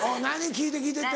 聞いて聞いてって。